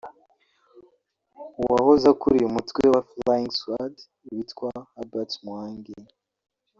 uwahoze akuriye umutwe wa Flying Squad witwa Herbert Muhangi